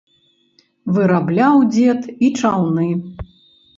Вырабляў дзед і чаўны.